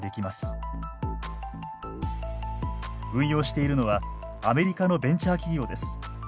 運用しているのはアメリカのベンチャー企業です。